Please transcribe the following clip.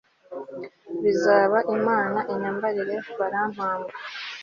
bizaba imana imyambarire barampamba